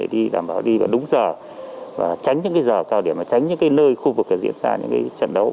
để đảm bảo đi vào đúng giờ tránh những giờ cao điểm tránh những nơi khu vực diễn ra những trận đấu